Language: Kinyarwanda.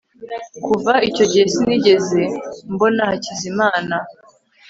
kuva icyo gihe sinigeze mbona hakizimana